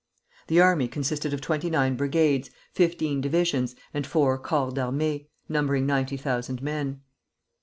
The army consisted of twenty nine brigades, fifteen divisions, and four corps d'armée, numbering ninety thousand men.